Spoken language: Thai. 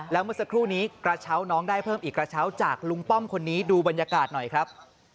แล้วเมื่อสักครู่นี้กระเช้าน้องได้เพิ่มอีกกระเช้าจากลุงป้อมคนนี้ดูบรรยากาศหน่อยครับ